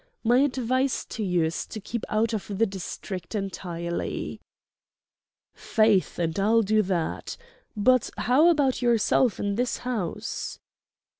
My advice to you is to keep out of the district entirely." "Faith, and I'll do that! But how about yourself in this house?"